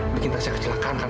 bikin tasya kecelakaan